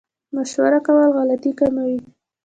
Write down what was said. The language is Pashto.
مشوره کول غلطي کموي